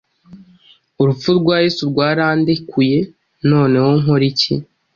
Urupfu rwa Yesu rwarandekuye: Noneho nkore iki?